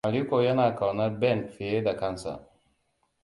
Aliko yana ƙaunar Ben fiye da kansa.